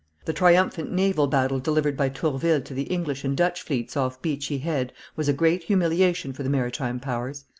The triumphant naval battle delivered by Tourville to the English and Dutch fleets off Beachy Head was a great humiliation for the maritime powers.